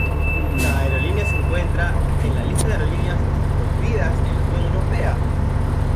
La aerolínea se encuentra en la lista de aerolíneas prohibidas de la Unión Europea.